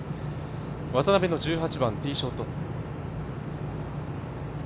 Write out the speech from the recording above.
渡邉の１８番ティーショット。